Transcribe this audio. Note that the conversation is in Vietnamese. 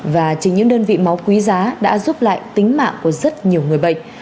và chỉ những đơn vị máu quý giá đã giúp lại tính mạng của rất nhiều người bệnh